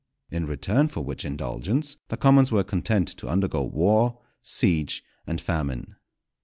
_" In return for which indulgence the commons were content to undergo war, siege, and famine.